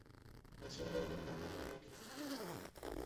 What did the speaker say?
这些作品已到达调性的底线。